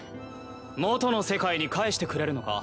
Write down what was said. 元の世界に帰してくれるのか？